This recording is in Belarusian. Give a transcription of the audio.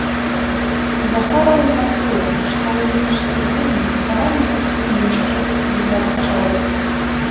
Захараў мяркуе, што ў міжсезонне каманду пакіне яшчэ дзясятак чалавек.